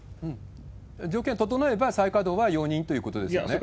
条件整えば、再稼働は容認ということですよね？